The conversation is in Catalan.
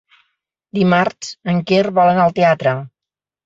Dimarts en Quer vol anar al teatre.